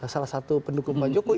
salah satu pendukung pak jokowi